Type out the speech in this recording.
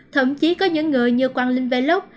thậm chí có những người như quang linh vlog